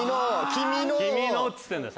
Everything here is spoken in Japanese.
「君の」っつってんだよ。